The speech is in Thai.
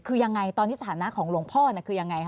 คือยังไงตอนนี้สถานะของหลวงพ่อคือยังไงค